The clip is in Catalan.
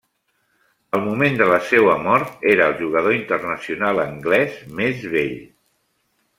Al moment de la seua mort era el jugador internacional anglès més vell.